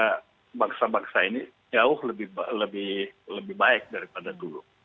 karena bangsa bangsa ini jauh lebih baik daripada dulu